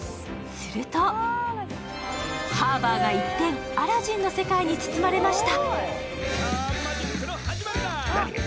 するとハーバーが一転、「アラジン」の世界に包まれました。